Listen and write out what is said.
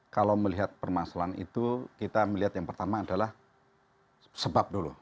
kalau melihat permasalahan itu kita melihat yang pertama adalah sebab dulu